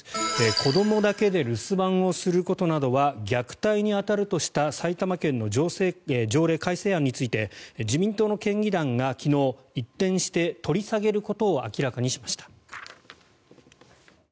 子どもだけで留守番をすることなどは虐待に当たるとした埼玉県の条例改正案について自民党の県議団が昨日、一転して取り下げることを明らかにしました。